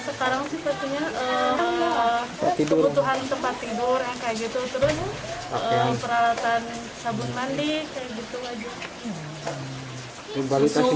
sekarang sebetulnya kebutuhan tempat tidur peralatan sabun mandi kayak gitu aja